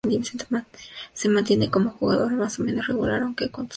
Se mantiene como un jugador más o menos regular aunque con sus altibajos.